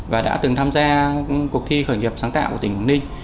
và đã từng tham gia cuộc thi khởi nghiệp sáng tạo của tỉnh quảng ninh